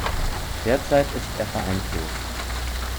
Derzeit ist er vereinslos.